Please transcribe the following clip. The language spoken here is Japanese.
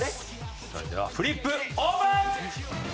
それではフリップオープン！